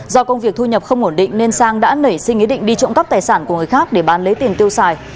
do công việc thu nhập không ổn định nên sang đã nảy sinh ý định đi trộm cắp tài sản của người khác để bán lấy tiền tiêu xài